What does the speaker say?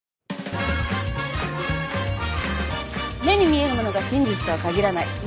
目に見えるものが真実とは限らない。